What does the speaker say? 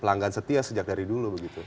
pelanggan setia sejak dari dulu begitu